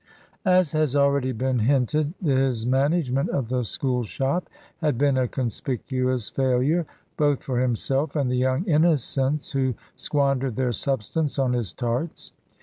As has already been hinted, his management of the School shop had been a conspicuous failure both for himself and the young innocents who squandered their substance on his tarts.